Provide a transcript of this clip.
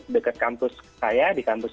dekat kampus saya di kampus